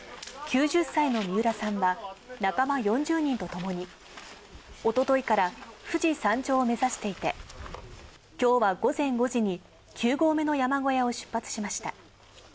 ９０歳の三浦さんは仲間４０人とともに、おとといから富士山頂を目指していて、きょうは午前５時に９合目の山小屋を出発しました。